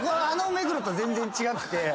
あの目黒と全然違くて。